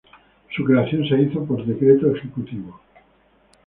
Su creación se hizo por Decreto Ejecutivo No.